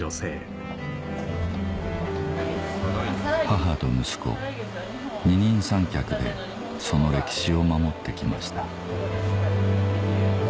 母と息子二人三脚でその歴史を守って来ました